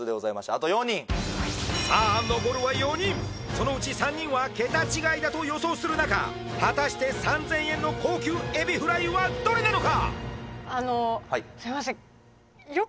あと４人さあ残るは４人そのうち３人はケタ違いだと予想する中果たして３０００円の高級エビフライはどれなのか？